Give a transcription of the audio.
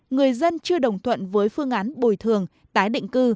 người dân chưa đồng thuận với phương án bồi thường tái định cư